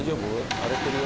荒れてるよ